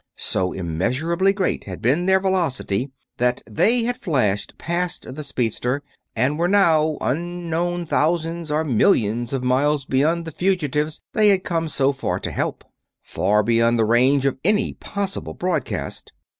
So immeasurably great had been their velocity that they had flashed past the speedster and were now unknown thousands or millions of miles beyond the fugitives they had come so far to help; far beyond the range of any possible broadcast.